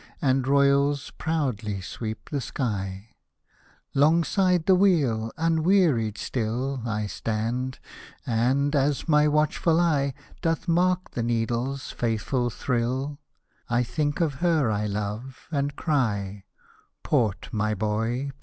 And royals proudly sweep the sky ; 'Longside the wheel, unwearied still I stand, and, as my watchful eye Doth mark the needle's faithful thrill, I think of her I love, and cry, Port, my boy